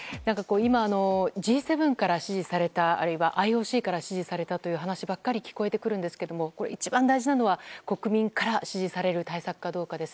今、Ｇ７から支持されたあるいはＩＯＣから支持されたという話ばかり聞こえてくるんですけど一番大事なのは国民から支持される対策かどうかです。